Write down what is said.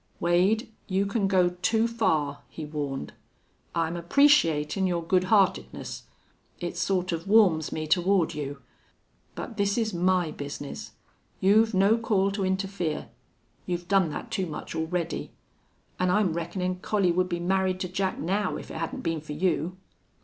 "Wade, you can go too far," he warned. "I'm appreciatin' your good heartedness. It sort of warms me toward you.... But this is my business. You've no call to interfere. You've done that too much already. An' I'm reckonin' Collie would be married to Jack now if it hadn't been for you."